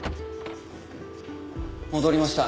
戻りました。